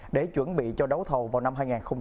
để chuẩn bị cho đấu thầu vào năm hai nghìn hai mươi